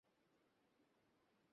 তারপর সেখান থেকে পৃথিবীতে অবতরণ করেন।